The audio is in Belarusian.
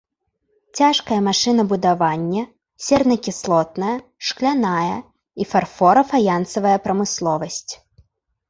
Цяжкае машынабудаванне, сернакіслотная, шкляная і фарфора-фаянсавая прамысловасць.